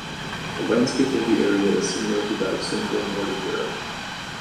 The landscape of the area is similar to that of central and northern Europe.